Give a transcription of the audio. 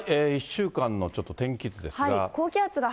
１週間のちょっと天気図ですが。